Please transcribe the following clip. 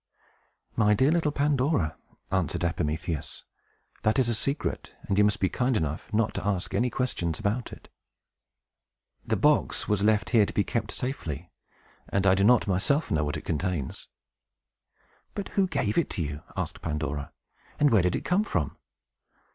"My dear little Pandora," answered Epimetheus, "that is a secret, and you must be kind enough not to ask any questions about it. The box was left here to be kept safely, and I do not myself know what it contains." "But who gave it to you?" asked Pandora. "And where did it come from?"